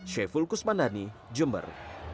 sheful kusmanani jember